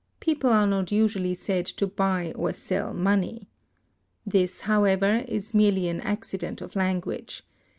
People are not usually said to buy or sell money. This, however, is merely an accident of language.